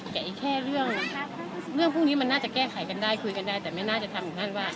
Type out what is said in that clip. แต่อีกแค่เรื่องพวกนี้มันน่าจะแก้ไขกันได้คุยกันได้แต่ไม่น่าจะทำอย่างนั้นว่า